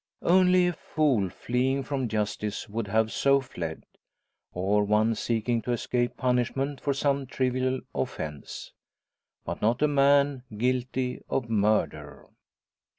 Only a fool fleeing from justice would have so fled, or one seeking to escape punishment for some trivial offence. But not a man guilty of murder.